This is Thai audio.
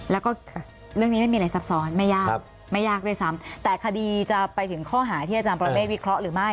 แล้วก็เรื่องนี้ไม่มีอะไรซับซ้อนไม่ยากไม่ยากด้วยซ้ำแต่คดีจะไปถึงข้อหาที่อาจารย์ปรเมฆวิเคราะห์หรือไม่